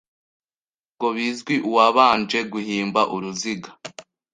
Ntabwo bizwi uwabanje guhimba uruziga.